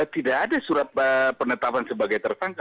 tidak ada surat penetapan sebagai tersangka